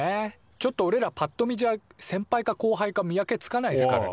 ちょっとおれらぱっと見じゃせんぱいかこうはいか見分けつかないっすからね。